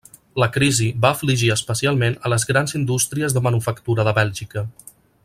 La crisi va afligir especialment a les grans indústries de manufactura de Bèlgica.